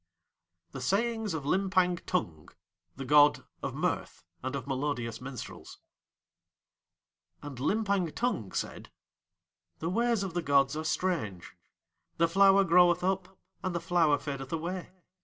THE SAYINGS OF LIMPANG TUNG (The God of Mirth and of Melodious Minstrels) And Limpang Tung said: "The ways of the gods are strange. The flower groweth up and the flower fadeth away.